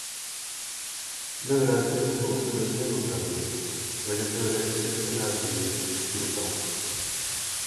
Nevarētu teikt, ka uzvedos vieglprātīgi, lai gan teorētiski nekad neesmu bijusi riska grupā.